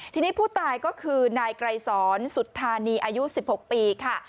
ทีนี้ผู้ตายก็คือนายไกรสอนสุธานีอายุ๑๖ปีค่ะ